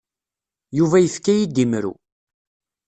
Yuba yefka-iyi-d imru.